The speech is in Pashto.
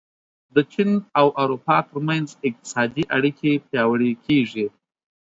د چین او اروپا ترمنځ اقتصادي اړیکې پیاوړې کېږي.